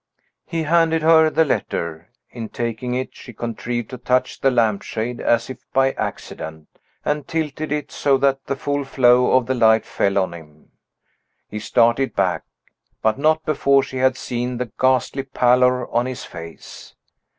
He handed her the letter. In taking it, she contrived to touch the lamp shade, as if by accident, and tilted it so that the full flow of the light fell on him. He started back but not before she had seen the ghastly pallor on his face.